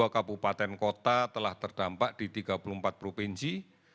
empat ratus dua puluh dua kabupaten kota telah terdampak di tiga puluh empat provinsi